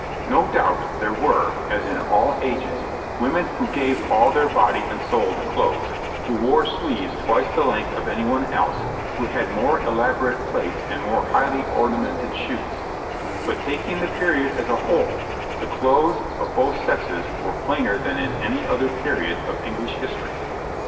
No doubt there were, as in all ages, women who gave all their body and soul to clothes, who wore sleeves twice the length of anyone else, who had more elaborate plaits and more highly ornamented shoes; but, taking the period as a whole, the clothes of both sexes were plainer than in any other period of English history.